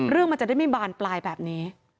เรื่องมันจะได้ไม่บานปลายแบบนี้